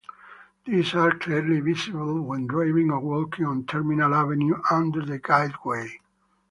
These are clearly visible when driving or walking on Terminal Avenue under the guideway.